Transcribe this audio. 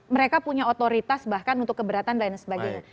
mereka punya otoritas bahkan untuk keberatan dan sebagainya